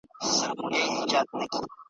دا اټک اټک سيندونه `